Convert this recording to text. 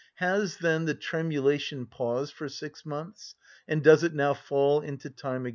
Has, then, the tremulation paused for six months, and does it now fall into time again?